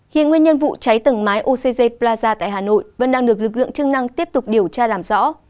hiện nguyên nhân vụ cháy tầng mái ocg plaza tại hà nội vẫn đang được lực lượng chức năng tiếp tục điều tra làm rõ